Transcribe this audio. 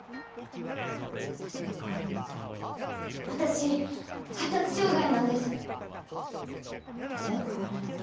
私発達障害なんです。えっ？